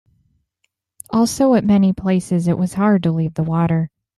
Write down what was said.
Also, at many places it was hard to leave the water.